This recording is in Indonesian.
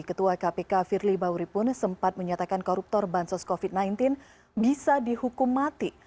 ketua kpk firly bahuri pun sempat menyatakan koruptor bansos covid sembilan belas bisa dihukum mati